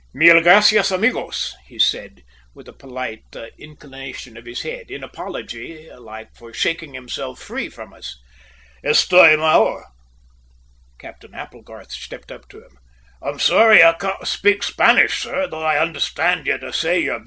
"Mil gracias, amigos," he said, with a polite inclination of his head, in apology like for shaking himself free from us. "Estoy major!" Captain Applegarth stepped up to him. "I am sorry I can't speak Spanish, sir, though I understand you to say you're better.